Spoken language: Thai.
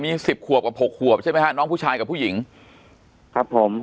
มีสิบขวบกับหกขวบใช่ไหมฮะน้องผู้ชายกับผู้หญิงครับผม